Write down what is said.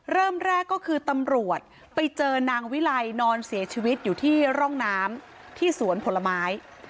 เริ่มแรกก็คือตำรวจไปเจอนางวิไลนอนเสียชีวิตอยู่ที่ร่องน้ำที่สวนผลไม้